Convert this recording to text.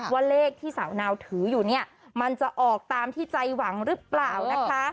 ว่าเลขที่สาวนาวถืออยู่เนี่ยมันจะออกตามที่ใจหวังหรือเปล่านะคะ